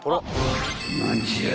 ［何じゃい